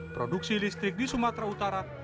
produksi listrik di sumatera utara